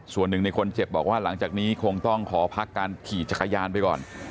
ส่วนหนึ่งในคนเจ็บบอกว่าหลังจากนี้คงต้องขอพักการขี่จักรยานไปก่อน